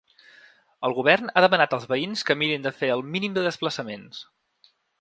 El govern ha demanat als veïns que mirin de fer el mínim de desplaçaments.